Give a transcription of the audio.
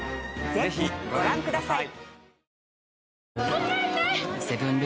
是非ご覧ください。